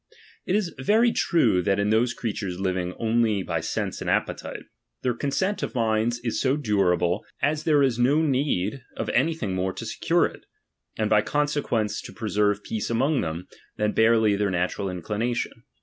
It is very true, that in those creatures living only by sense and appetite, their consent of minds is so durable, as there is no need of anything more to secure it, and by con sequence to preserve peace among them, than barely their natural inclination.